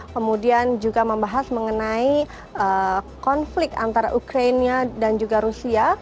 kemudian juga membahas mengenai konflik antara ukraina dan juga rusia